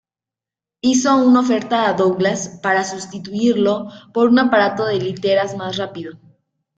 Hizo una oferta a Douglas para sustituirlo por un aparato de literas más rápido.